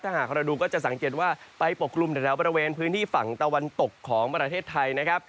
ถ้าหากเราดูก็จะสังเกตว่าไปปกกลุ่มแถวบริเวณพื้นที่ฝั่งตะวันตกของประเทศไทยนะครับ